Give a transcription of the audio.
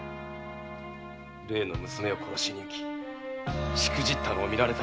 例の娘を殺しに行きしくじったのを見られたらしい。